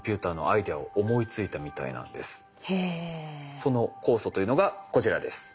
その酵素というのがこちらです。